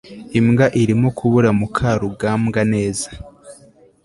imbwa irimo kubura mukarugambwa neza